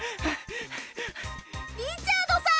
リチャードさん。